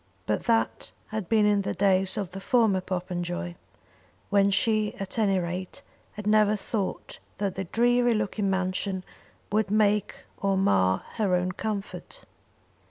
But that had been in the days of the former Popenjoy, when she, at any rate, had never thought that the dreary looking mansion would make or mar her own comfort.